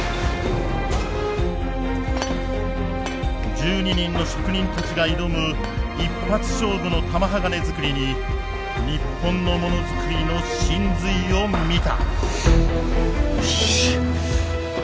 １２人の職人たちが挑む一発勝負の玉鋼づくりに日本のものづくりの神髄を見た。